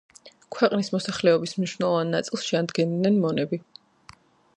ქვეყნის მოსახლეობის მნიშვნელოვან ნაწილს შეადგენდნენ მონები.